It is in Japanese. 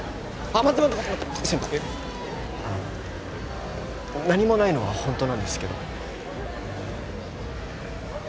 あの何もないのは本当なんですけど。